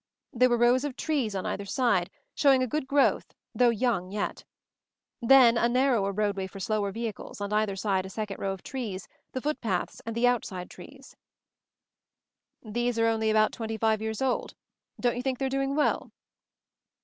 There were rows of trees on either side, showing a good growth, though young yet ; then a narrower roadway for slower vehicles, on either side a second row of trees, the footpaths, and the outside trees. MOVING THE MOUNTAIN 175 i "These are only about twenty five years old. Don't you think they are doing well?"